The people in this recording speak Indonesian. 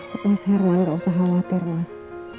mas herman gak usah khawatir mas